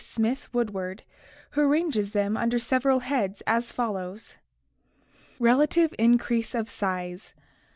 Smith Woodward, who arranges them under several heads, as follows: Relative Increase of Size.